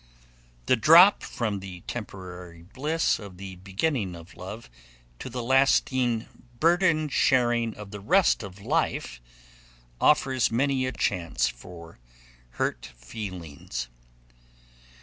The drop from the temporary bliss of the beginning of love to the lasting burden sharing of the rest of life offers many a chance for hurt feelings.